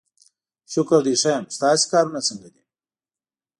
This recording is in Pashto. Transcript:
شکر دی ښه یم، ستاسې کارونه څنګه دي؟